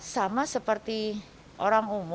sama seperti orang umum